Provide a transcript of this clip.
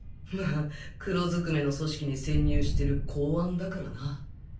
まあ黒ずくめの組織に潜入してる公安だからな